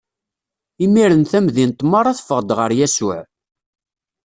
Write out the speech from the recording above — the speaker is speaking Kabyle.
Imiren tamdint meṛṛa teffeɣ-d ɣer Yasuɛ.